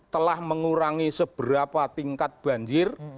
telah mengurangi seberapa tingkat banjir